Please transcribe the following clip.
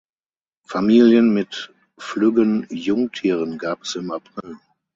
Familien mit flüggen Jungtieren gab es im April.